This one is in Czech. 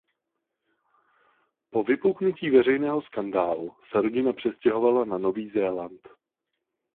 Po vypuknutí veřejného skandálu se rodina přestěhovala na Nový Zéland.